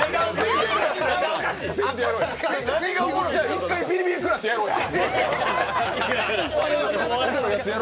一回ビリビリくらってやろうや！